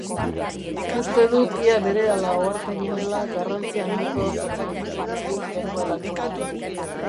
Uste dut ia berehala ohartu ginela garrantzi handiko zerbaitekin egin genuela topo.